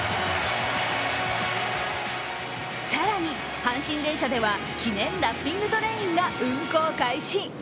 更に、阪神電車では記念ラッピングトレインが運行開始。